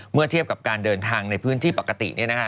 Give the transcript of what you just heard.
เมื่อเทียบกับการเดินทางในพื้นที่ปกติ